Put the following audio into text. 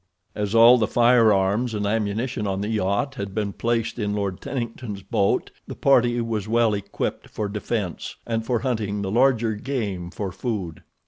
As all the firearms and ammunition on the yacht had been placed in Lord Tennington's boat, the party was well equipped for defense, and for hunting the larger game for food.